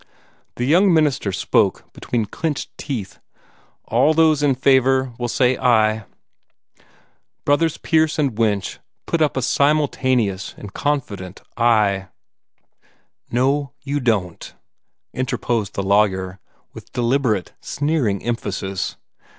The young minister spoke between clinched teeth. "All those in favor will say aye." Brothers Pierce and Winch put up a simultaneous and confident "Aye." "No, you don't!" interposed the lawyer, with deliberate, sneering emphasis.